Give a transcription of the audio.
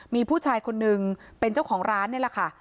มีผู้ชายคนนึงเป็นเจ้าของร้านนี่แหละค่ะ